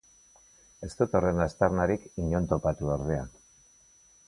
Ez dut horren aztarnarik inon topatu ordea.